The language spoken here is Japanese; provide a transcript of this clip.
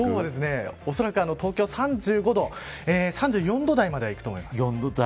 今日は、おそらく東京３５度３４度台まではいくと思います。